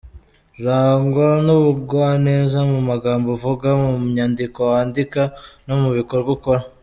Rangwa n’ubugwaneza mu magambo uvuga, mu nyandiko wandika, no mu bikorwa ukora.